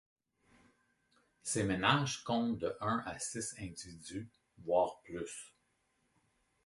Ces ménages comptent de un à six individus, voire plus.